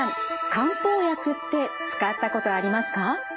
漢方薬って使ったことありますか？